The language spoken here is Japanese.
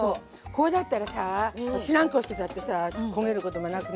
これだったらさぁ知らん顔してたってさ焦げることもなくね。